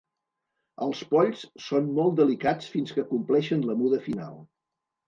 Els polls són molt delicats fins que compleixen la muda final.